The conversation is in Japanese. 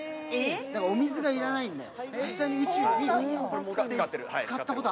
お水がいらないんだよ。